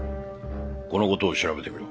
この事を調べてみろ。